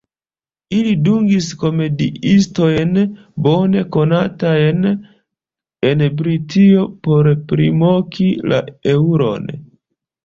Ili dungis komediistojn, bone konatajn en Britio, por primoki la eŭron.